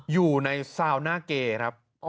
อยู่ในซาวน่าเกครับ